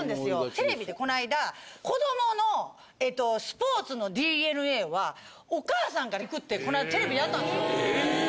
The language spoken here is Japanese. テレビでこないだ子どものスポーツのＤＮＡはお母さんからいくってこないだテレビでやったんですよ。